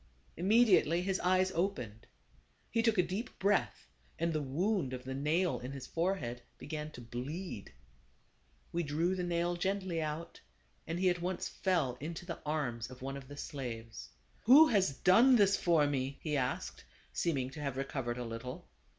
Immediately his eyes opened. He took a deep breath, and the wound of the nail in his forehead began to bleed. We drew the nail gently out, and he at once fell into the arms of one of the slaves. " Who has done this for me ?" he asked, seeming to have recovered a little.